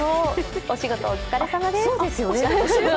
お仕事、お疲れさまです。